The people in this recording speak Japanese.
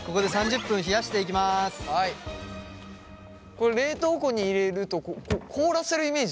これ冷凍庫に入れると凍らせるイメージですか？